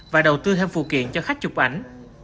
và đầu tư thêm phụ kiện cho khách chụp ảnh